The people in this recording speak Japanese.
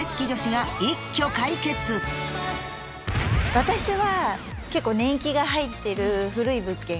私は。